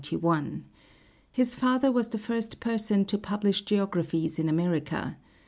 His father was the first person to publish geographies in America.